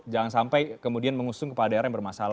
jangan sampai kemudian mengusung kepala daerah yang bermasalah